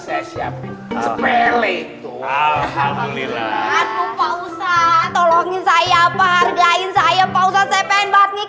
saya siapin sepele itu hal hal melihat atau pausa tolongin saya apa hargain saya pausa cpn banget